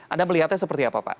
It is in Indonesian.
anda melihatnya seperti apa pak